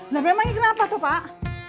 nah memang ini kenapa tuh pak